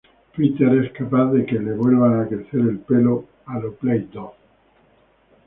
Peter es capaz de que le vuelva a crecer el pelo "a lo" Play-Doh.